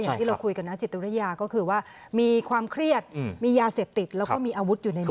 อย่างที่เราคุยกันนะจิตวิทยาก็คือว่ามีความเครียดมียาเสพติดแล้วก็มีอาวุธอยู่ในมือ